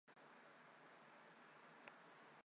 波涛汹涌